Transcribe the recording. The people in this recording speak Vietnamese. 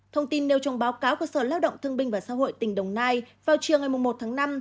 thông tin nêu trong báo cáo của sở lao động thương binh và xã hội tỉnh đồng nai vào chiều ngày một tháng năm